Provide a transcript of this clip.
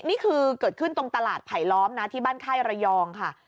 นี่คือเกิดขึ้นตรงตลาดไผลล้อมนะที่บ้านค่ายระยองค่ะ